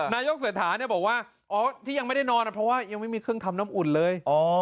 นายกเศรษฐาบอกว่าอ๋อที่ยังไม่ได้นอนเพราะว่ายังไม่มีเครื่องทำน้ำอุ่นเลย